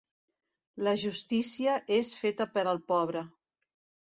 La justícia és feta per al pobre.